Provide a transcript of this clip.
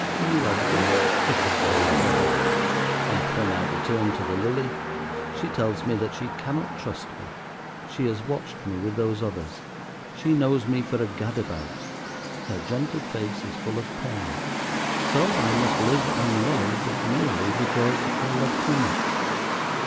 "You are just fitted for each other." And when I return to the Lily, she tells me that she cannot trust me. She has watched me with those others. She knows me for a gad about. Her gentle face is full of pain. So I must live unloved merely because I love too much.